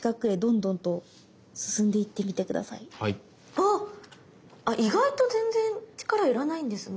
あっ意外と全然力いらないんですね